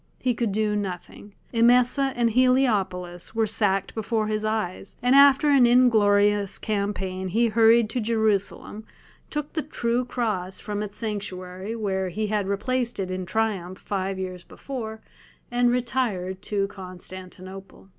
He could do nothing; Emesa and Heliopolis were sacked before his eyes, and after an inglorious campaign he hurried to Jerusalem, took the "True Cross" from its sanctuary, where he had replaced it in triumph five years before, and retired to Constantinople.